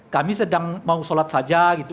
kami sedang mau sholat saja gitu